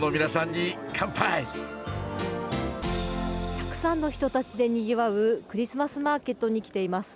たくさんの人たちでにぎわうクリスマスマーケットに来ています。